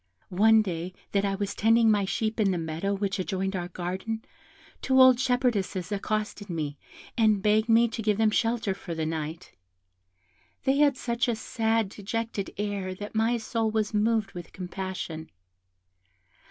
One day that I was tending my sheep in the meadow which adjoined our garden, two old shepherdesses accosted me, and begged me to give them shelter for the night; they had such a sad dejected air that my soul was moved with compassion.